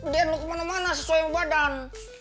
dan lu kemana mana sesuai dengan badan